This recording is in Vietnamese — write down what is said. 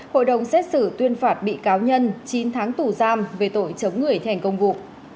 hội đồng xét xử tuyên phạt bị cáo nhân chín tháng tù giam về tội chống người thi hành công vụ